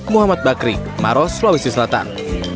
muhammad bakri maros sulawesi selatan